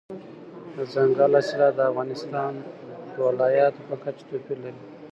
دځنګل حاصلات د افغانستان د ولایاتو په کچه توپیر لري.